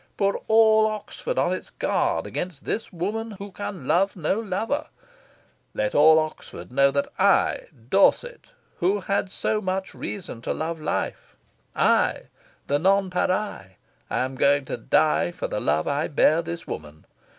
Put all Oxford on its guard against this woman who can love no lover. Let all Oxford know that I, Dorset, who had so much reason to love life I, the nonpareil am going to die for the love I bear this woman.